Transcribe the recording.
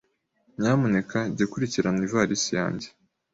Nyamuneka jya ukurikirana ivalisi yanjye.